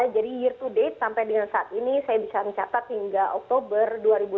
jadi year to date sampai dengan saat ini saya bisa mencatat hingga oktober dua ribu enam belas